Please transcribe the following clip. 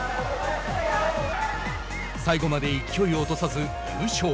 最後まで勢いを落とさず、優勝。